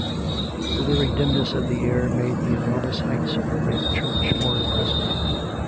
The very dimness of the air made the enormous heights of the great church more impressive.